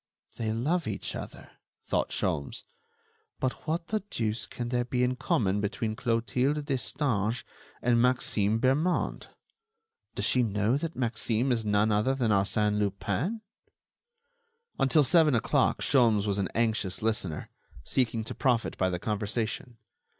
"They love each other," thought Sholmes, "but what the deuce can there be in common between Clotilde Destange and Maxime Bermond? Does she know that Maxime is none other than Arsène Lupin?" Until seven o'clock Sholmes was an anxious listener, seeking to profit by the conversation.